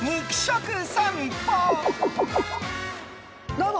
どうも！